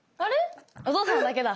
お父さんだけだ。